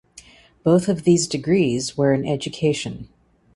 Both of these degrees were in education.